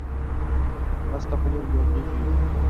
Pastda qolar yulduz-oy